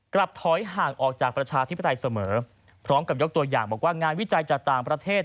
กลับถอยห่างออกจากประชาธิปไตยเสมอพร้อมกับยกตัวอย่างบอกว่างานวิจัยจากต่างประเทศ